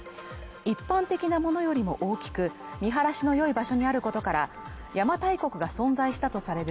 一般的なものよりも大きく見晴らしの良い場所にあることから、邪馬台国が存在したとされる